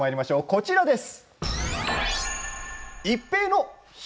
こちらです。